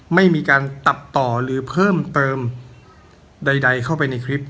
ไม่มีการตัดต่อหรือเพิ่มเติมใดเข้าไปในคลิป